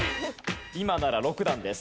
今なら６段です。